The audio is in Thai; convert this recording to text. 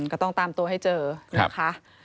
ก็ต้องตามตัวให้เจอนะคะ